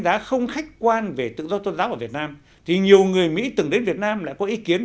đánh giá không khách quan về tự do tôn giáo ở việt nam thì nhiều người mỹ từng đến việt nam lại có ý kiến